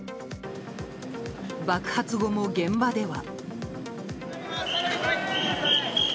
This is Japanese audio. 爆発後も、現場では。